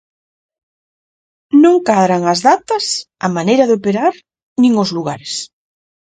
Non cadran as datas, a maneira de operar nin os lugares.